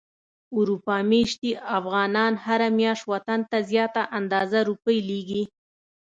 اروپا ميشتي افغانان هره مياشت وطن ته زياته اندازه روپی ليږي.